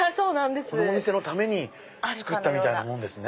このお店のために作ったみたいなもんですね。